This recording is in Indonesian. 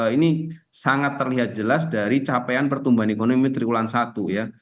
ini sangat terlihat jelas dari capaian pertumbuhan ekonomi triwulan satu ya